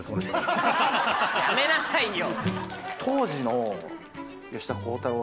やめなさいよ。